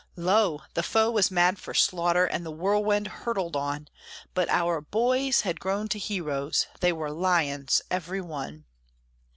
Lo! the foe was mad for slaughter, And the whirlwind hurtled on; But our boys had grown to heroes, They were lions, every one.